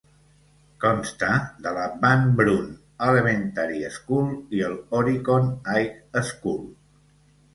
Consta de la Van Brunt Elementary School i el Horicon High School.